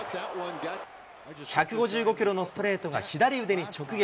１５５キロのストレートが左腕に直撃。